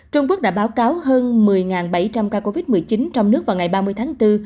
trung quốc đã báo cáo hơn một mươi bảy trăm linh ca covid một mươi chín trong nước vào ngày ba mươi tháng bốn